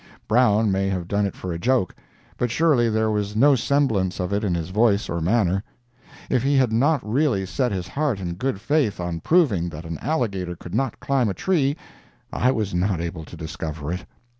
Brown may have done it for a joke, but surely there was no semblance of it in his voice or manner. If he had not really set his heart in good faith on proving that an alligator could not climb a tree, I was not able to discover it.